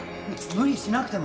無理しなくても